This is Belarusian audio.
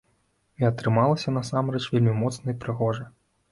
А атрымалася насамрэч вельмі моцна і прыгожа.